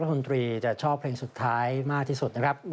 ขอบคุณครับเดี๋ยวให้รำราคมนะครับ